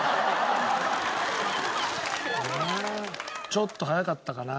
ちょっと早かったかな。